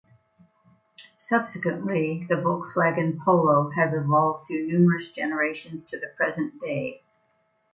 Subsequently the Volkswagen Polo has evolved through numerous generations to the present day.